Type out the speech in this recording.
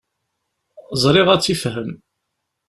Ẓriɣ ad tt-ifhem.